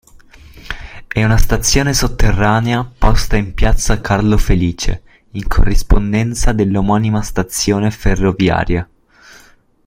È una stazione sotterranea, posta in piazza Carlo Felice, in corrispondenza dell'omonima stazione ferroviaria.